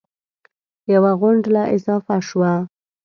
یوه غونډله اضافه شوه